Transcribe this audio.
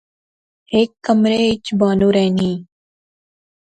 ہک کمرے اچ بانو رہنی